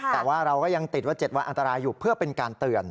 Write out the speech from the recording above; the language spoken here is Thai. แต่ว่าเราก็ยังติดว่า๗วันอันตรายอยู่เพื่อเป็นการเตือน